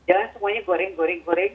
jangan semuanya goreng goreng goreng